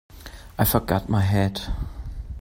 I forgot my hat.